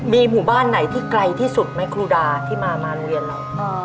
มีหมู่บ้านไหนที่ไกลที่สุดไหมครูดาที่มาโรงเรียนเรา